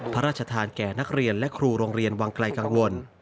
พระราชทานแก่นักเรียนและครูโรงเรียนวังไกลกังวล